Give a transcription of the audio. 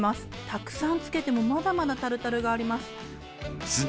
たくさんつけてもまだまだタルタルがあります。